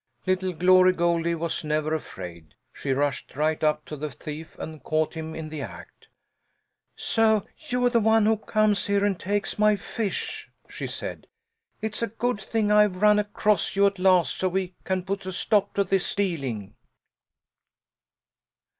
Little Glory Goldie was never afraid. She rushed right up to the thief and caught him in the act. "So you're the one who comes here and takes my fish!" she said. "It's a good thing I've run across you at last so we can put a stop to this stealing."